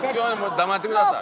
黙ってください。